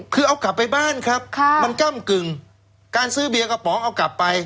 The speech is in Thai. คือเอากลับไปบ้านครับมันก้ำกึ่งการซื้อเบียร์กระป๋องเอากลับไป